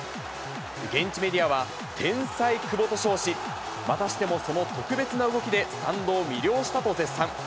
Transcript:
現地メディアは、天才久保と称し、またしてもその特別な動きでスタンドを魅了したと絶賛。